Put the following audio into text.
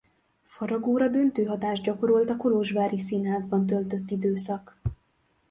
Faragóra döntő hatást gyakorolt a kolozsvári színházban töltött időszak.